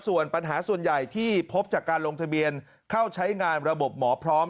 ส่วนปัญหาส่วนใหญ่ที่พบจากการลงทะเบียนเข้าใช้งานระบบหมอพร้อม